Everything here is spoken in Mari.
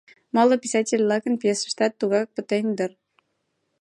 Моло писатель-влакын пьесыштат тугак пытен дыр.